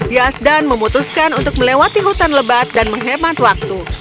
yasdan memutuskan untuk melewati hutan lebat dan menghemat waktu